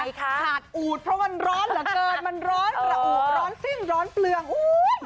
อย่างไรคะขาดอูดเพราะมันร้อนเหลือเกินมันร้อนอูดร้อนซิ่งร้อนเปลืองอุ้ย